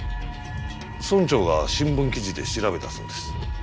村長が新聞記事で調べたそうです。